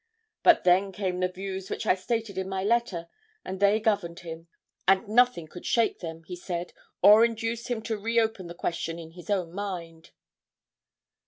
But then came the views which I stated in my letter, and they governed him; and nothing could shake them, he said, or induce him to re open the question in his own mind.'